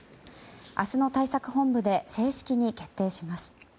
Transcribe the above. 明日の対策本部で正式に決定します。